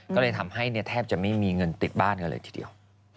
ก็เลยทำให้แทบจะไม่มีเงินติดบ้านกันเลยทีเดียว